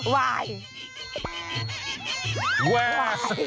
วายวาย